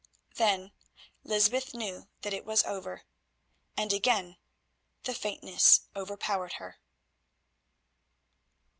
Then Lysbeth knew that it was over, and again the faintness overpowered her.